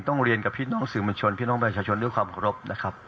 ต้องเรียนกับพี่น้องสื่อมัญชนพี่น้องแบบชาชนด้วยความรบนะครับ